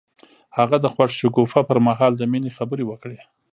هغه د خوښ شګوفه پر مهال د مینې خبرې وکړې.